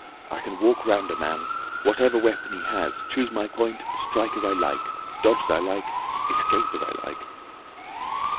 I can walk round a man, whatever weapon he has, choose my point, strike as I like. Dodge as I like. Escape as I like."